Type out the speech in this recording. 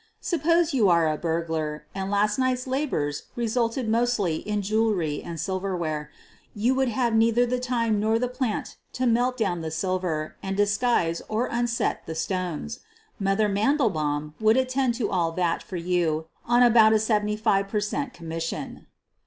Suppose you are a burglar and last night's labors resulted mostly in jewelry and silver ware, you would have neither the time nor the plant to melt down the silver and disguise or unset the stones. "Mother" Mandelbaum would attend to alJ that for you on about a 75 per cent, commission.